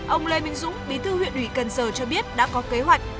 ông lê minh dũng bí thư huyện ủy cần giờ cho biết đã có kế hoạch